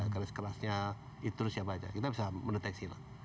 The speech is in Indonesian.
garis kerasnya idru siapa aja kita bisa mendeteksi